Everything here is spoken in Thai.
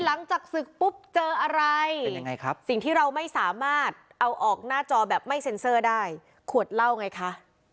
หลังจากศึกปุ๊บเจออะไรครับสิ่งที่เราไม่สามารถเอาออกหน้าจอแบบไม่เซ็นเซอร์ได้ขวดเหล้าไงคะ